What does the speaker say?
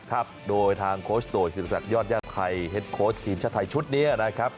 ครับโดยทางโคชโตยศิริษักยอดญาติไทยเฮ็ดโค้ชทีมชาติไทยชุดนี้นะครับ